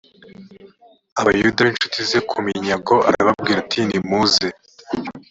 abayuda b incuti ze ku minyago arababwira ati nimuze